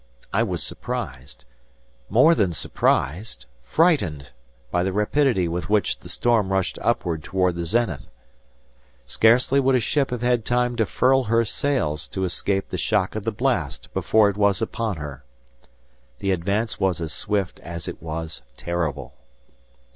I was surprised—more than surprised, frightened!—by the rapidity with which the storm rushed upward toward the zenith. Scarcely would a ship have had time to furl her sails to escape the shock of the blast, before it was upon her! The advance was as swift as it was terrible.